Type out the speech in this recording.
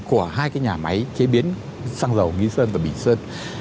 của hai cái nhà máy chế biến xăng dầu nghĩ sơn và bỉ sơn